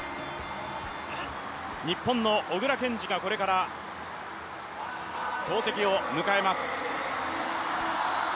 日本の小椋健司がこれから投てきに向かいます。